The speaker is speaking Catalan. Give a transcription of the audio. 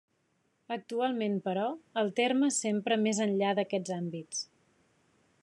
Actualment, però, el terme s'empra més enllà d'aquests àmbits.